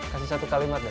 kasih satu kalimat deh